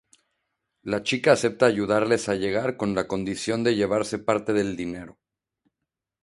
La chica acepta ayudarles a llegar con la condición de llevarse parte del dinero.